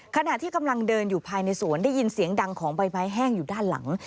ขณะที่กำลังเดินอยู่ภายในสวนได้ยินเสียงดังของใบไม้แห้งอยู่ด้านหลัง